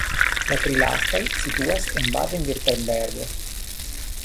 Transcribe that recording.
La tri lastaj situas en Baden-Virtembergo.